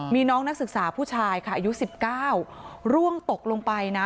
มีน้องนักศึกษาผู้ชายค่ะอายุ๑๙ร่วงตกลงไปนะ